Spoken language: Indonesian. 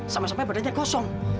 sama sama badannya kosong